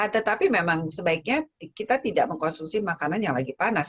tetapi memang sebaiknya kita tidak mengkonsumsi makanan yang lagi panas